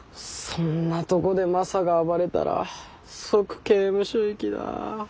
そんなとこでマサが暴れたら即刑務所行きだ。